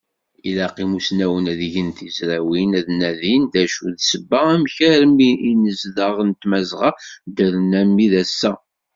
Ilaq imusnawen ad gen tizrawin, ad anin d acu i d ssebba amek armi inezdaɣ n Tmazɣa ddren armi d assa!